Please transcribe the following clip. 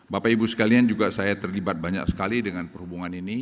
bapak ibu sekalian juga saya terlibat banyak sekali dengan perhubungan ini